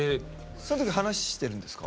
その時話してるんですか？